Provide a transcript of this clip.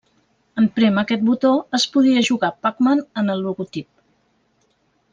En prémer aquest botó es podia jugar Pac-Man en el logotip.